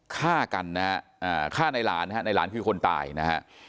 ฆ่ากันนะฮะฆ่าในหลานนะฮะในหลานคือคนตายนะฮะ